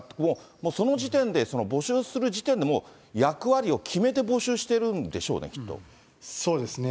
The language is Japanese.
もうその時点で、募集する時点でもう、役割を決めて募集してるんでしょうね、きっそうですね。